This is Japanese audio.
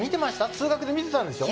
通学で見てたんでしょ？